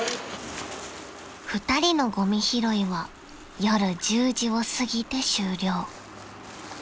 ［２人のごみ拾いは夜１０時を過ぎて終了］